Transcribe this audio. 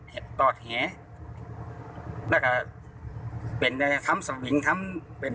ให้ได้เลยก็ไม่ทำได้เลย